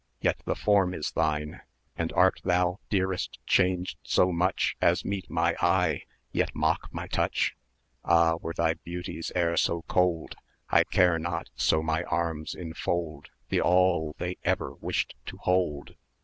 yet the form is thine! 1290 And art thou, dearest, changed so much As meet my eye, yet mock my touch? Ah! were thy beauties e'er so cold, I care not so my arms enfold The all they ever wished to hold.